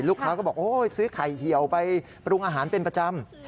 เขาบอกโอ้ยซื้อไข่เหี่ยวไปปรุงอาหารเป็นประจำ